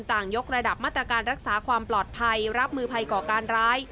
ยกระดับมาตรการรักษาความปลอดภัยรับมือภัยก่อการร้าย